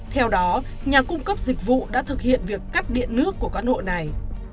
theo đó nhà cung cấp dịch vụ đã thực hiện việc cắt điện nước của căn hộ này